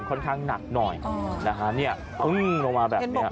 ค่อนข้างหนักหน่อยหึ้งลงมาแบบนี้